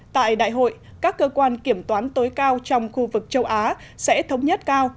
tại đại hội các cơ quan kiểm toán tối cao trong khu vực châu á sẽ thống nhất cao